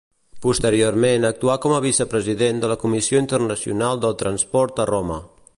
Posteriorment actuà com a vicepresident de la Comissió Internacional del Transport a Roma.